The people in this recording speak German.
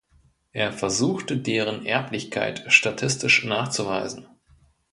Er versuchte deren Erblichkeit statistisch nachzuweisen.